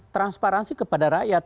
transparansi kepada rakyat